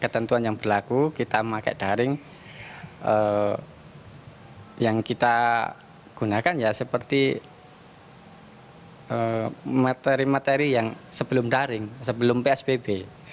ketentuan yang berlaku kita pakai daring yang kita gunakan ya seperti materi materi yang sebelum daring sebelum psbb